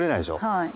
はい。